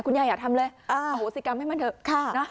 คุณยายอยากทำเลยสิกรรมให้มันเถอะ